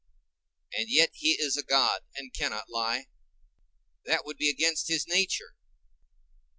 And yet he is a god and cannot lie; that would be against his nature.